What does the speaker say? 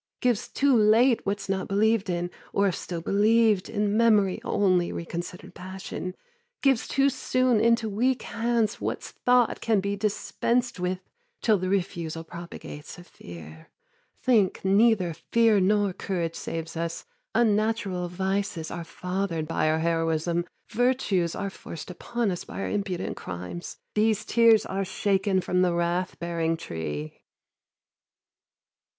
Gives too late What's not believed in, or if still believed, In memory only, reconsidered passion. Gives too soon Into weak hands, what's thought can be dispensed with Till the refusal propagates a fear. Think Neither fear nor courage saves us. Unnatural vices Are fathered by our heroism. Virtues Are forced upon us by our impudent crimes. These tears are shaken from the wrath bearing tree.